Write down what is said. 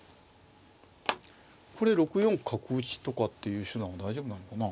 これ６四角打とかっていう手段は大丈夫なのかな。